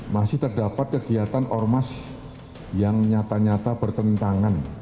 masih terdapat kegiatan ormas yang nyata nyata bertentangan